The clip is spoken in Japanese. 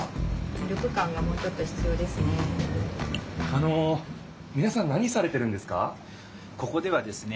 あのみなさん何されてるんですか？